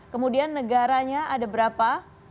kemudian negaranya ada berapa